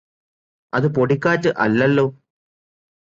അത് പൊടിക്കാറ്റ് അല്ലല്ലോ